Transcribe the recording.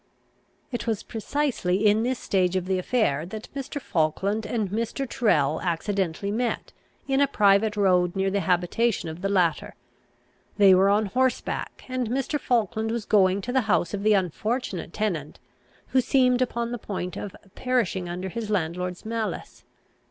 It was precisely in this stage of the affair, that Mr. Falkland and Mr. Tyrrel accidentally met, in a private road near the habitation of the latter. They were on horseback, and Mr. Falkland was going to the house of the unfortunate tenant, who seemed upon the point of perishing under his landlord's malice.